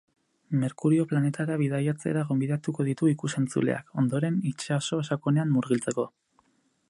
Merkurio planetara bidaiatzera gonbidatuko ditu ikus-entzuleak, ondoren, itsaso sakonean murgiltzeko.